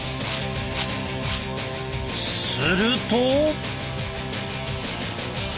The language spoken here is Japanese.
すると。